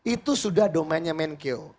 itu sudah domennya menko